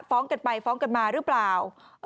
ฟ้องกันไปฟ้องกันมาหรือเปล่า